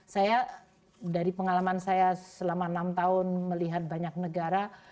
saya dari pengalaman saya selama enam tahun melihat banyak negara